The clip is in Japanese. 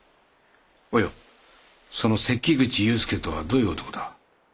おようその関口雄介とはどういう男だ？